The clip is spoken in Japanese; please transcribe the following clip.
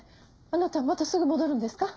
あなたまたすぐ戻るんですか？